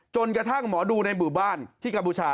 กระทั่งหมอดูในหมู่บ้านที่กัมพูชา